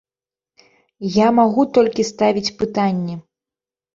Я магу толькі ставіць пытанні.